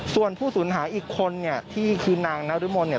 ส่วนผู้สูญหายอีกคนเนี่ยที่คือนางนรมนเนี่ย